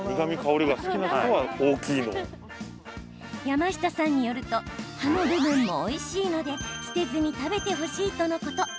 山下さんによると葉の部分もおいしいので捨てずに食べてほしいとのこと。